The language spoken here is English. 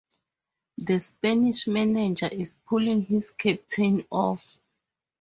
The Spanish manager is pulling his captain off!